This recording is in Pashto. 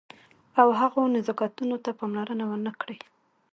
او هغو نزاکتونو ته پاملرنه ونه کړئ.